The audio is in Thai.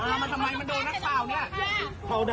มันโดนเมื่อกี้แหละค่ะ